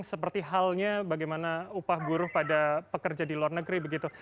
seperti halnya bagaimana upah buruh pada pekerja di luar negeri begitu